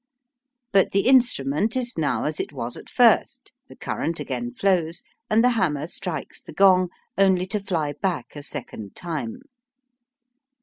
But the instrument is now as it was at first, the current again flows, and the hammer strikes the gong, only to fly back a second time.